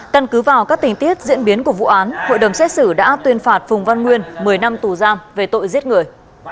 căn cứ vào các tình tiết diễn biến của vụ án hội đồng xét xử đã tuyên phạt phùng văn nguyên một mươi năm tù giam về tội giết người